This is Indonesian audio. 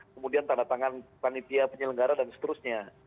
kemudian tanda tangan panitia penyelenggara dan seterusnya